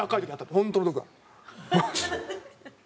本当の毒。